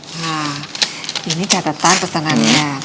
nah ini catatan pesanannya